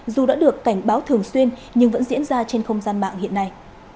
dù đã được cảnh báo thường xuyên nhưng vẫn diễn ra trên không gian mạng hiện nay